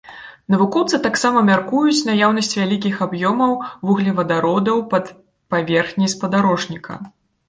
Навукоўцы таксама мяркуюць наяўнасць вялікіх аб'ёмаў вуглевадародаў пад паверхняй спадарожніка.